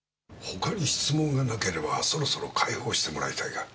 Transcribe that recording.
他に質問がなければそろそろ解放してもらいたいが。